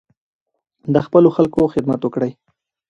د خپلو خلکو خدمت وکړئ.